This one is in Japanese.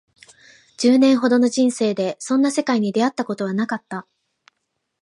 十年ほどの人生でそんな世界に出会ったことはなかった